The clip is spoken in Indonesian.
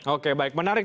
oke baik menarik